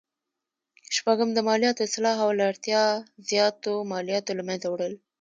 شپږم: د مالیاتو اصلاح او له اړتیا زیاتو مالیاتو له مینځه وړل.